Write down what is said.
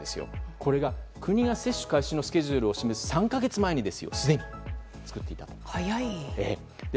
これが国が接種開始のスケジュールを示す３か月前にすでに作られていた。